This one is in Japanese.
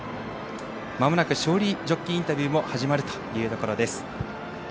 まもなく勝利ジョッキーインタビューも始まるというところです。